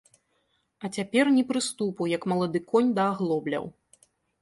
А цяпер ні прыступу, як малады конь да аглобляў.